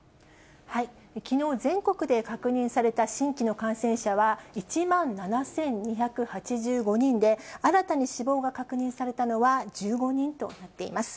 きのう、全国で確認された新規の感染者は１万７２８５人で、新たに死亡が確認されたのは１５人となっています。